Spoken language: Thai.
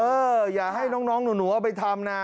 อย่าให้น้องหนูเอาไปทำนะ